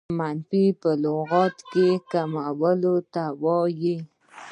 منفي په لغت کښي کمولو ته وايي.